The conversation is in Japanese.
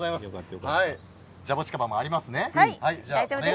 ジャボチカバもありますね。